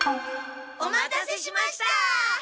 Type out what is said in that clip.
おまたせしました！